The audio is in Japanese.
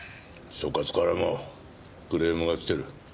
所轄からもクレームが来てる。